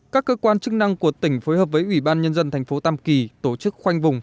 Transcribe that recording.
các cơ quan chức năng của tỉnh phối hợp với ủy ban nhân dân thành phố tam kỳ tổ chức khoanh vùng